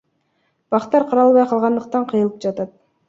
Бактар каралбай калгандыктан кыйылып жатат.